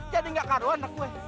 jadi gak kearuhan anak gue